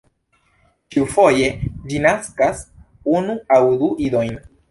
Ĉiufoje ĝi naskas unu aŭ du idojn.